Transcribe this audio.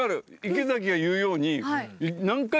池崎が言うように分かる。